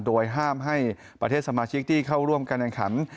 โดยห้ามให้ประเทศสมาชิกที่เข้าร่วมการแข่งขัน